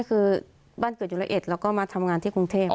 คือบ้านเกิดอยู่ร้อยเอ็ดแล้วก็มาทำงานที่กรุงเทพ